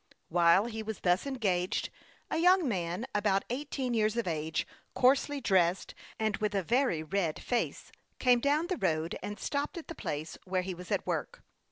While he was thus engaged, a young man, about eighteen years of age, coarsely dressed, and with a very red face, came down the road and stopped at the place where he was at work.